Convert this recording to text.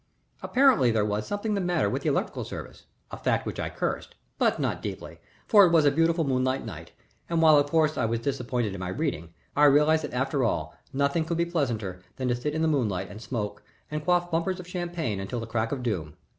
Apparently there was something the matter with the electrical service, a fact which I cursed, but not deeply, for it was a beautiful moonlight night and while of course I was disappointed in my reading, I realized that after all nothing could be pleasanter than to sit in the moonlight and smoke and quaff bumpers of champagne until the crack of doom.